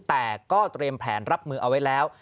แต่ก็เตรียมแผนรับมือเอาไว้แล้ว